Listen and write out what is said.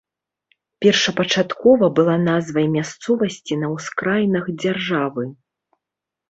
Першапачаткова была назвай мясцовасці на ўскраінах дзяржавы.